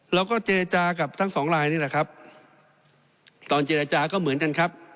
เราก็เจรจากับทั้งสองลายนี่แหละครับตอนเจรจาก็เหมือนกันครับ